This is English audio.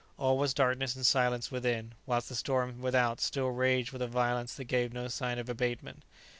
All was darkness and silence within, whilst the storm without still raged with a violence that gave no sign of abatement.